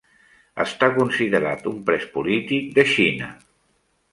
Està considerat un pres polític de Xina.